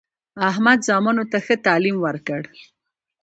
احمد زامنو ته ښه تعلیم وکړ.